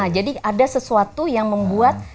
jadi ada sesuatu yang membuat